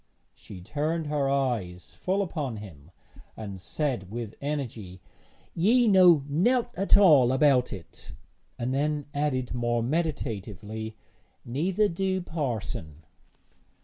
She turned her eyes full upon him, and said with energy: 'Ye know nowt at all about it;' and then added more meditatively, 'neither do parson.'